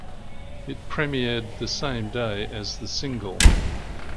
It premiered the same day as the single.